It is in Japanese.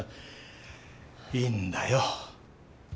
いいんだよ。